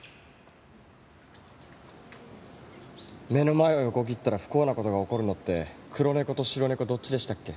目の前を横切ったら不幸な事が起こるのって黒猫と白猫どっちでしたっけ？